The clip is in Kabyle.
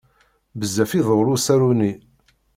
Bezzaf iḍul usaru-nni.